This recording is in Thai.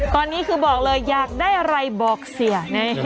ตอนนี้คือบอกเลยอยากได้อะไรบอกเสีย